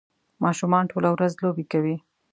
ماشومان ټوله ورځ لوبې کوي